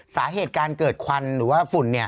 สาเหตุการเกิดควันหรือว่าฝุ่น